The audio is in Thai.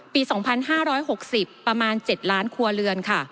ปี๒๕๖๐ประมาณ๗ล้านครัวเรือนค่ะ